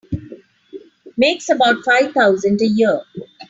Makes about five thousand a year.